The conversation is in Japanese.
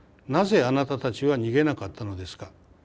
なぜあなたたちは逃げなかったのですか」。